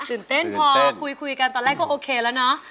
ตื่นเต้นพอคุยกันตอนแรกก็โอเคแล้วเนาะ